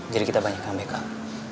jadi kita banyak yang ambil kak